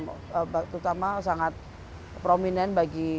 terutama sangat prominent bagi